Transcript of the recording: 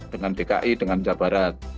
dengan dki dengan jabarat